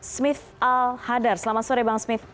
smith al hadar selamat sore bang smith